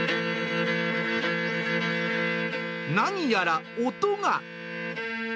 何やら音が。